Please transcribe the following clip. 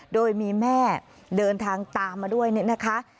โดยมีแม่เดินทางตามมาด้วยเนี่ยนะคะ